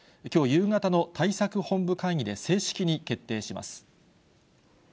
きょう夕方の対策本部会議で正式に決定します。